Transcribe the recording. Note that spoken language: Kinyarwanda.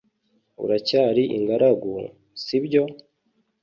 Uracyari ingaragu, si byo?